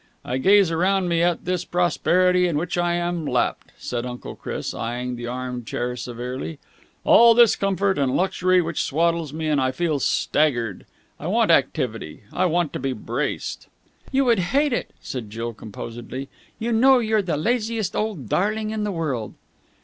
I gaze around me at all this prosperity in which I am lapped," said Uncle Chris, eyeing the arm chair severely, "all this comfort and luxury which swaddles me, and I feel staggered. I want activity. I want to be braced!" "You would hate it," said Jill composedly. "You know you're the laziest old darling in the world."